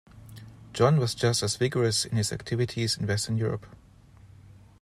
John was just as vigorous in his activities in Western Europe.